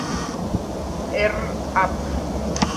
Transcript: R. App.